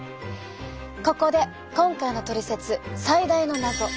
ここで今回のトリセツ最大の謎。